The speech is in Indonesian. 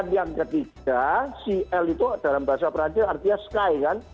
dan yang ketiga cl itu dalam bahasa perancis artinya sky kan